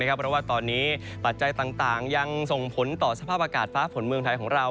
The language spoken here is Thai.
เพราะว่าตอนนี้ปัจจัยต่างยังส่งผลต่อสภาพอากาศฟ้าฝนเมืองไทยของเรา